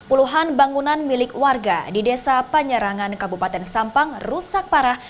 puluhan bangunan milik warga di desa penyerangan kabupaten sampang rusak parah